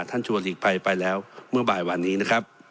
ชวนหลีกภัยไปแล้วเมื่อบ่ายวันนี้นะครับ